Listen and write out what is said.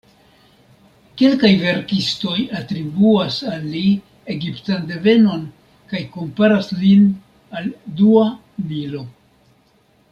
Kelkaj verkistoj atribuas al li egiptan devenon, kaj komparas lin al dua Nilo.